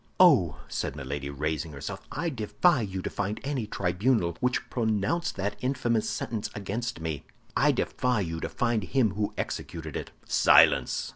"Oh," said Milady, raising herself, "I defy you to find any tribunal which pronounced that infamous sentence against me. I defy you to find him who executed it." "Silence!"